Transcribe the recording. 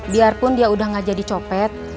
biarpun dia udah gak jadi copet